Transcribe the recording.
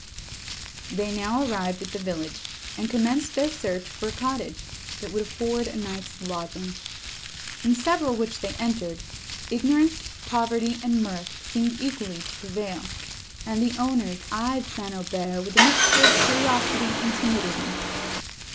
They now arrived at the village, and commenced their search for a cottage, that would afford a night's lodging. In several, which they entered, ignorance, poverty, and mirth seemed equally to prevail; and the owners eyed St. Aubert with a mixture of curiosity and timidity.